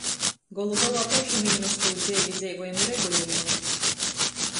Golu golā poši viņ mes tū dzeivi dzeivojam i regulejam.